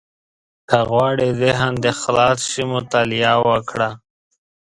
• که غواړې ذهن دې خلاص شي، مطالعه وکړه.